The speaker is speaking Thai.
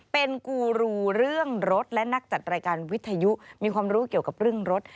เป็นกูรูเรื่องรถและนักจัดรายการวิทยุมีความรู้เกี่ยวกับเรื่องรถ